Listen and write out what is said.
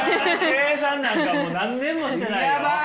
計算なんかもう何年もしてないよ。